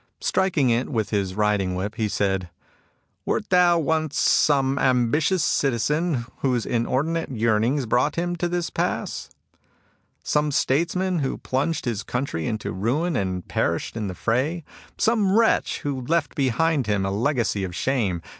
Striking it with his riding whip, he said :" Wert thou once some ambitious citizen whose inordinate yearnings brought him to this pass ?— some statesman who plunged his country into ruin and perished in the fray ?— some wretch who left behind him a legacy of shame ?